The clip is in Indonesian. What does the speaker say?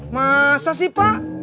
masa sih pak